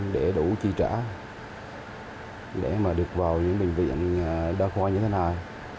để mà được vào những bệnh viện đa khoa như thế này